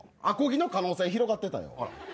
アコギの可能性広がってたよ。